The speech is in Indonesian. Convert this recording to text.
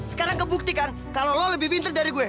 sekarang kebuktikan kalau lo lebih pinter dari gue